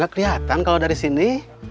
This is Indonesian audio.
gak keliatan kalo dari sini